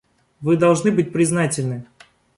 Вы должны быть признательны.